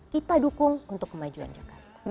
kita dukung untuk kemajuan jakarta